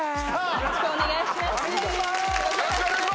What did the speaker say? よろしくお願いします！